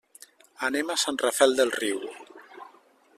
Anem a Sant Rafel del Riu.